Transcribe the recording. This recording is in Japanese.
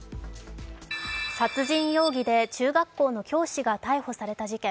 殺人容疑で中学校の教師が逮捕された事件。